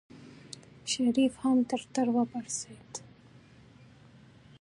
د شريف هم ټټر وپړسېد.